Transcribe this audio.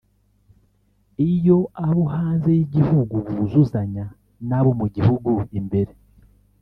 iyo abo hanze y’igihugu buzuzanya n’abo mu gihugu imbere